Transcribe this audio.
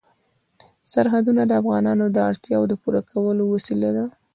سرحدونه د افغانانو د اړتیاوو د پوره کولو وسیله ده.